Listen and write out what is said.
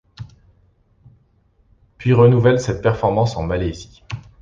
Puis renouvelle cette performance en Malaisie.